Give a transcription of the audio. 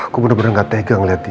aku benar benar gak tegang ngeliat dia